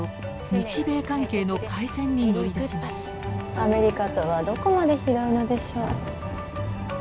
アメリカとはどこまで広いのでしょう。